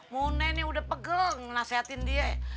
mune ini udah pegel nasehatin dia